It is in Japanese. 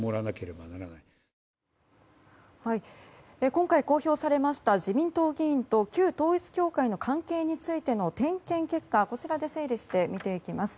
今回、公表されました自民党議員と旧統一教会の関係についての点検結果をこちらで整理して見ていきます。